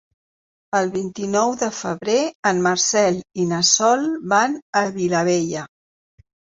El vint-i-nou de febrer en Marcel i na Sol van a Vilabella.